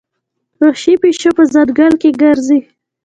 وحشي پیشو په ځنګل کې ګرځي.